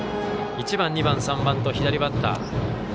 １番、２番、３番と左バッター。